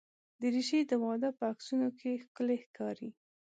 دریشي د واده په عکسونو کې ښکلي ښکاري.